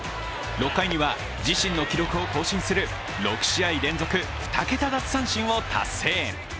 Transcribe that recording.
６回には自身の記録を更新する６試合連続２桁奪三振を達成。